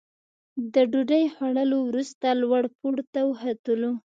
د ډوډۍ خوړلو وروسته لوړ پوړ ته وختلو.